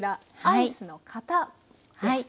アイスの型です。